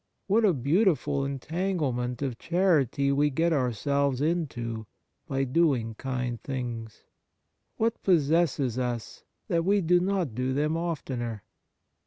What a beautiful en 92 Kindness tanglement of charity we get ourselves into by doing kind things ! What pos sesses us that we do not do them oftener